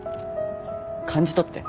感じ取って。